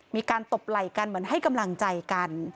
ตบไหล่กันเหมือนให้กำลังใจกัน